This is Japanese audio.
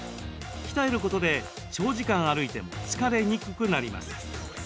鍛えることで、長時間歩いても疲れにくくなります。